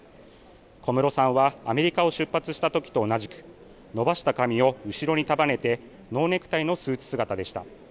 小室さんはアメリカを出発したときと同じく、伸ばした髪を後ろに束ねて、ノーネクタイのスーツ姿でした。